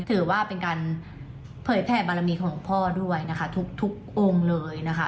ถือว่าเป็นการเผยแผ่บารมีของพ่อด้วยนะคะทุกองค์เลยนะคะ